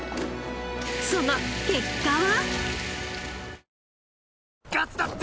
その結果は？